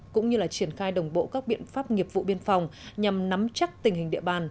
cũng như triển khai đồng bộ các biện pháp nghiệp vụ biên phòng nhằm nắm chắc tình hình địa bàn